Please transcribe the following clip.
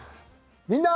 「みんな！